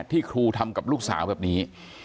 ที่ครูทำกับลูกสาวแบบนี้